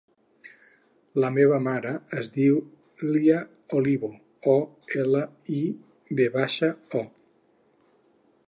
La meva mare es diu Leah Olivo: o, ela, i, ve baixa, o.